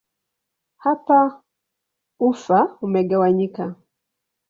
Hapa ufa imegawanyika.